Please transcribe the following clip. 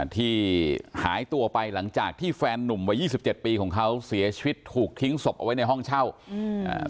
ที่หายตัวไปหลังจากที่แฟนนุ่มวัยยี่สิบเจ็ดปีของเขาเสียชีวิตถูกทิ้งศพเอาไว้ในห้องเช่าอืมอ่า